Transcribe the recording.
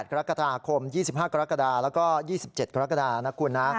กรกฎาคม๒๕กรกฎาแล้วก็๒๗กรกฎานะคุณนะ